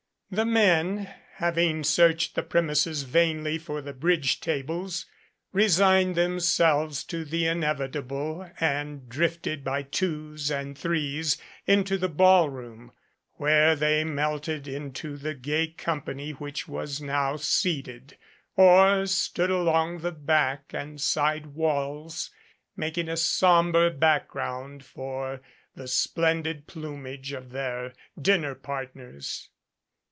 The men, having searched the premises vainly for the bridge tables, resigned themselves to the inevitable and drifted by twos and threes into the ball room, where they melted into the gay company which was now seated, or stood along the back and side walls, making a somber background for the splendid plumage of their dinner partners.